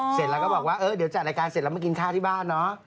เสร็จแล้วก็บอกว่าเออเดี๋ยวจัดรายการเสร็จแล้วมากินข้าวที่บ้านเนอะ